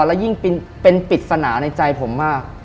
แล้วยิ่งเป็นปริศนาในใจผมมาก